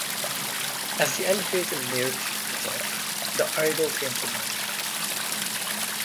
As the elevator neared the top, the idol came to life.